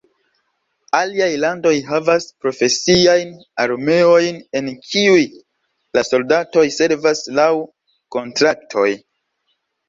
Aliaj landoj havas profesiajn armeojn en kiuj la soldatoj servas laŭ kontraktoj.